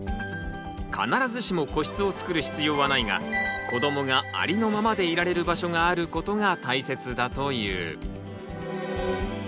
必ずしも個室を作る必要はないが子どもがありのままでいられる場所があることが大切だという。